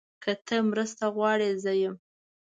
که ته مرسته غواړې، زه یم.